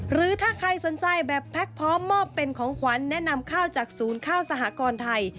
หรือถ้าใครสนใจแบบแพ็คพร้อมมอบเป็นของขวัญแนะนำข้าวจากศูนย์ข้าวสหกรไทย